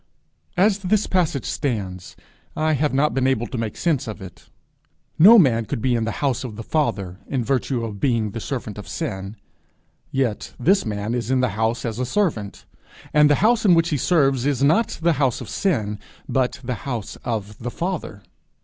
As this passage stands, I have not been able to make sense of it. No man could be in the house of the Father in virtue of being the servant of sin; yet this man is in the house as a servant, and the house in which he serves is not the house of sin, but the house of the Father.